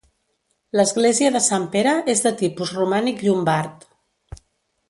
L'església de Sant Pere és de tipus romànic llombard.